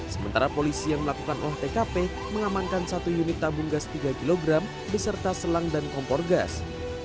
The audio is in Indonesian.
sementara polisi yang melakukan olah tkp mengamankan satu unit tabung gas tiga kg beserta selang dan kompor gas